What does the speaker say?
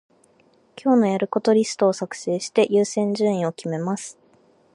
今日のやることリストを作成して、優先順位を決めます。